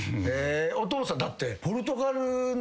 お父さんだって。